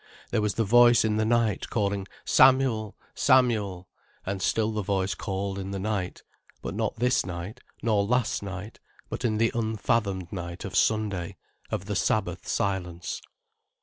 There was the voice in the night calling, "Samuel, Samuel!" And still the voice called in the night. But not this night, nor last night, but in the unfathomed night of Sunday, of the Sabbath silence.